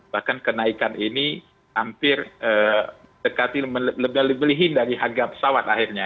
bahkan kenaikan ini hampir dekati lebih lebih dari harga pesawat akhirnya